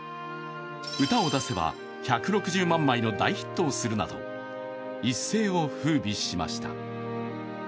歌を出せば１６０万枚の大ヒットをするなど一世を風靡しました。